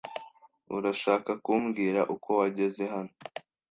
Urashaka kumbwira uko wageze hano?